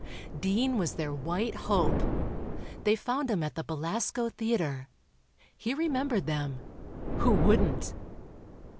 Dean was their white hope. They found him at the Belasco Theatre. He remembered them ... who wouldn't?